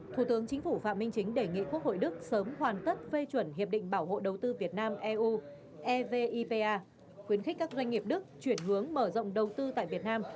thủ tướng chính phủ phạm minh chính đề nghị quốc hội đức sớm hoàn tất phê chuẩn hiệp định bảo hộ đầu tư việt nam eu evipa khuyến khích các doanh nghiệp đức chuyển hướng mở rộng đầu tư tại việt nam